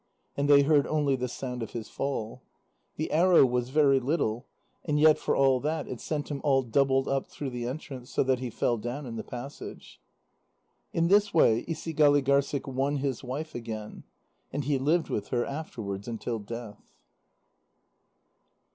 And they heard only the sound of his fall. The arrow was very little, and yet for all that it sent him all doubled up through the entrance, so that he fell down in the passage. In this way Isigâligârssik won his wife again, and he lived with her afterwards until death.